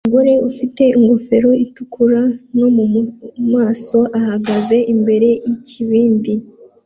Umugore ufite ingofero itukura no mumaso ahagaze imbere yikibindi